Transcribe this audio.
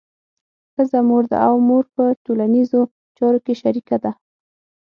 ښځه مور ده او مور په ټولنیزو چارو کې شریکه ده.